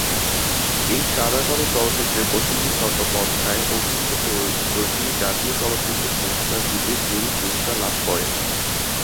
এই সাদাকালো চলচ্চিত্রটিতে প্রসেনজিৎ চট্টোপাধ্যায় অভিনীত চরিত্রটি জাতীয় চলচ্চিত্র পুরস্কার -বিশেষ জুরি পুরস্কার/ লাভ করে।